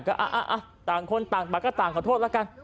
ก็ต่างคนต่างบัตรก็ต่างขอโทษแล้วกัน